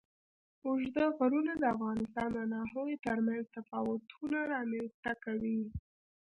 اوږده غرونه د افغانستان د ناحیو ترمنځ تفاوتونه رامنځ ته کوي.